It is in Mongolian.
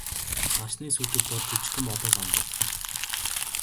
Нарсны сүүдэр дор жижигхэн модон сандал.